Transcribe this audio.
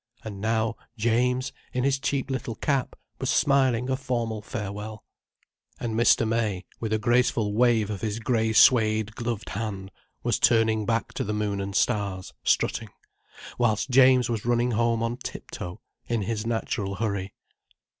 And now James, in his cheap little cap, was smiling a formal farewell. And Mr. May, with a graceful wave of his grey suède gloved hand, was turning back to the Moon and Stars, strutting, whilst James was running home on tip toe, in his natural hurry.